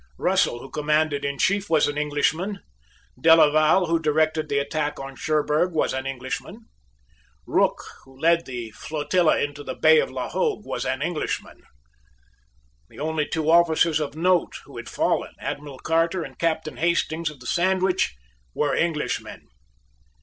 Russell who commanded in chief was an Englishman. Delaval who directed the attack on Cherburg was an Englishman. Rooke who led the flotilla into the Bay of La Hogue was an Englishman. The only two officers of note who had fallen, Admiral Carter and Captain Hastings of the Sandwich, were Englishmen.